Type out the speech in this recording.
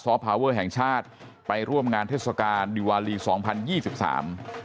พาเวอร์แห่งชาติไปร่วมงานเทศกาลดิวาลีสองพันยี่สิบสาม